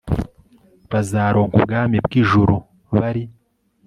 bazaronka ubwami bw'ijuru bari